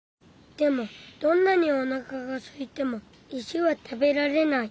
でもどんなにおなかがすいても石はたべられない。